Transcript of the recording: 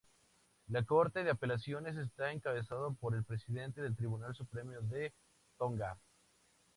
La Corte de Apelaciones está encabezado por el Presidente del Tribunal Supremo de Tonga.